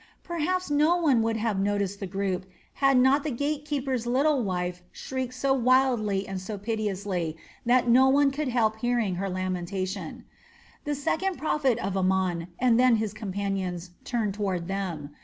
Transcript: Perhaps no one would have noticed the group, had not the gate keeper's little wife shrieked so wildly and piteously that no one could help hearing her lamentations. The second prophet of Amon, and then his companions, turned toward them.